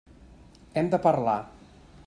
Hem de parlar.